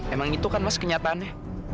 emang itu kan mas kenyataannya